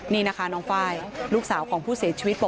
นี่นะคะน้องไฟล์ลูกสาวของผู้เสียชีวิต